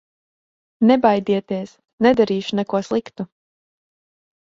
Nebaidieties, nedarīšu neko sliktu!